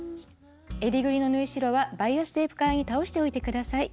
襟ぐりの縫い代はバイアステープ側に倒しておいて下さい。